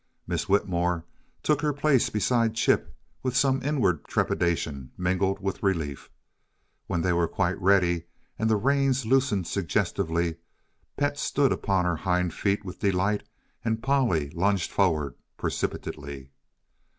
Miss Whitmore took her place beside Chip with some inward trepidation mingled with her relief. When they were quite ready and the reins loosened suggestively, Pet stood upon her hind feet with delight and Polly lunged forward precipitately.